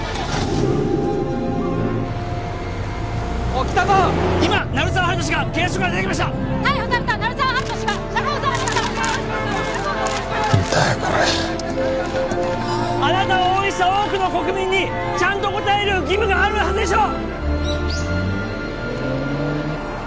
これあなたを応援した多くの国民にちゃんと答える義務があるはずでしょ！